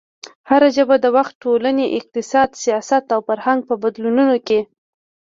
هره ژبه د وخت، ټولنې، اقتصاد، سیاست او فرهنګ په بدلونونو کې